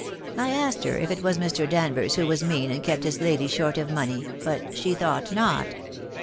I asked her if it was Mr. Danvers who was mean and kept his lady short of money; but she thought not.